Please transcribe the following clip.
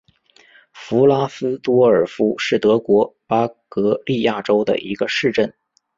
弗拉斯多尔夫是德国巴伐利亚州的一个市镇。